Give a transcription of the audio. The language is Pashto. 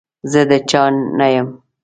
زه د چا نه يم.